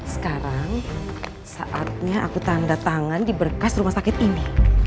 sekarang saatnya aku tanda tangan di berkas rumah sakit ini